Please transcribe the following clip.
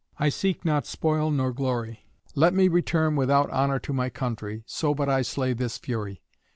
I seek not spoil nor glory; let me return without honour to my country, so but I slay this fury."